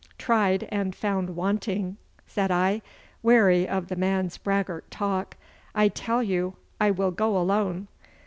'Tried and found wanting,' said I, weary of the man's braggart talk. 'I tell you I will go alone.